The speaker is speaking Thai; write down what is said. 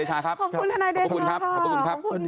จุ๊กรู้